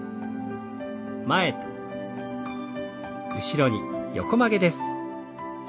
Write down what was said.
前と後ろに横曲げです。